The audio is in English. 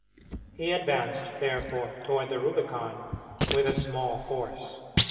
He advanced, therefore, toward the Rubicon with a small force.